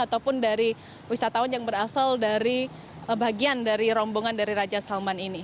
ataupun dari wisatawan yang berasal dari bagian dari rombongan dari raja salman ini